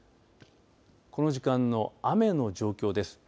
この時間の雨の状況です。